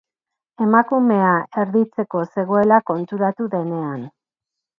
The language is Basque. Emakumea erditzeko zegoela konturatu denean.